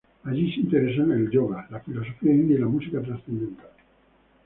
Allí se interesó en el yoga, la filosofía india y la música trascendental.